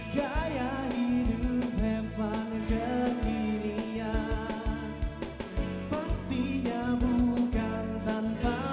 keluarkan keren jadi tujuan